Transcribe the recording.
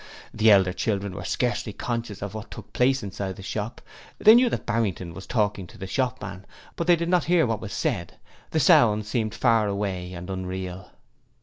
The elder children were scarcely conscious of what took place inside the shop; they knew that Barrington was talking to the shopman, but they did not hear what was said the sound seemed far away and unreal.